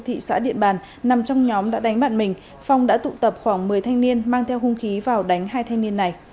thị xã điện bàn nằm trong nhóm đã đánh bạn mình phong đã tụ tập khoảng một mươi thanh niên mang theo hung khí vào đánh hai thanh niên này